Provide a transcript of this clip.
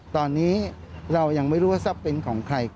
ตอนนี้เรายังไม่รู้ว่าทรัพย์เป็นของใคร